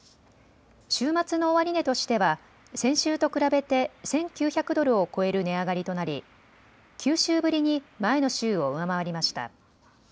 週末の終値としては先週と比べて１９００ドルを超える値上がりとなり９週ぶりに前の週を上回りました。